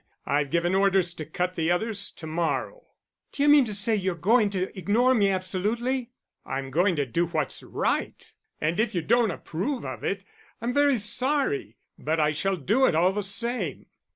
I've given orders to cut the others to morrow." "D'you mean to say you're going to ignore me absolutely?" "I'm going to do what's right; and if you don't approve of it, I'm very sorry, but I shall do it all the same."